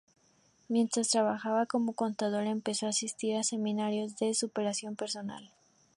Mientras trabajaba como contadora, empezó a asistir a seminarios de superación personal.